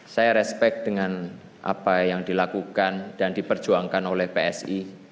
saya respect dengan apa yang dilakukan dan diperjuangkan oleh psi